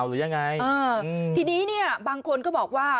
หรือยังไงทีนี้บางคนก็บอกว่า